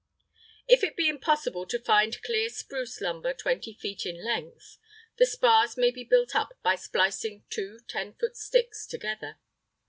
If it be impossible to find clear spruce lumber 20 feet in length, the spars may be built up by splicing two 10 foot sticks together.